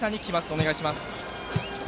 お願いします。